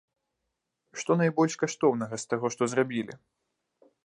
Што найбольш каштоўнага, з таго, што зрабілі?